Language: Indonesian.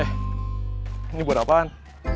eh ini buat apaan